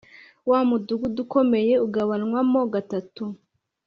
Wa mudugudu ukomeye ugabanywamo gatatu